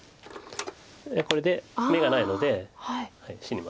これで眼がないので死にます。